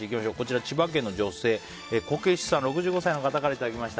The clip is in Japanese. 千葉県、６５歳の女性の方からいただきました。